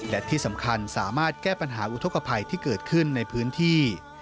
และที่สำคัญสามารถแก้ปัญหาอุทธกภัยที่เกิดขึ้นในพื้นที่